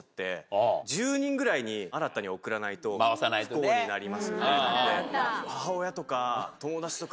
１０人ぐらいに新たに送らないと不幸になりますみたいなので。